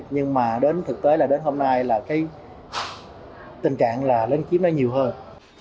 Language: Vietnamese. nhưng mà đến thực tế là đến hôm nay là cái tình trạng là lấn chiếm nó nhiều hơn